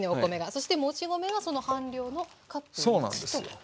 そしてもち米はその半量のカップ１と。